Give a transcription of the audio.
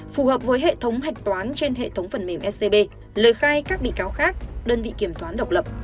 phù hợp với hệ thống hạch toán trên hệ thống phần mềm scb lời khai các bị cáo khác đơn vị kiểm toán độc lập